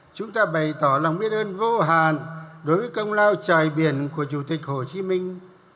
chúng ta bày tỏ lòng biết ơn vô hạn đối với công lao trời biển của chủ tịch hồ chí minh